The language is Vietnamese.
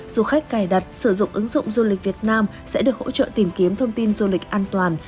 du khách cài đặt sử dụng ứng dụng du lịch việt nam sẽ được hỗ trợ tìm kiếm thông tin du lịch an toàn